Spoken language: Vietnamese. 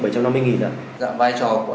cái phí hồ sơ